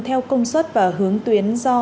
theo công suất và hướng tuyến do